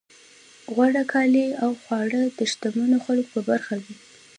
غوره کالي او خواړه د شتمنو خلکو په برخه وي.